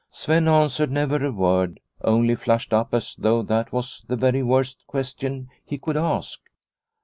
Sven answered never a word, only flushed up as though that was the very worst question he could ask.